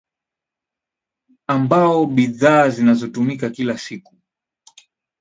ambao bidhaa zinazotumika kila siku